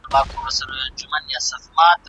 که غواړې ګوزار وکړې نو باید ګړندی وي.